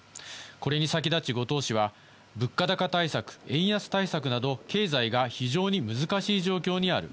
これに先立ち、後藤氏は物価高対策、円安対策など経済が非常に難しい状況にある。